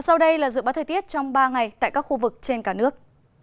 sau đây là dự báo thời tiết trong ba ngày tại các khu vực trên cả nước